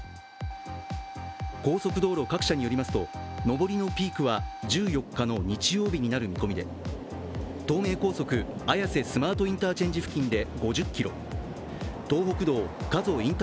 高速道路各社によりますと、上りのピークは１４日の日曜日になる見込みで、東名高速・綾瀬スマートインターチェンジ付近で５０ｋｍ。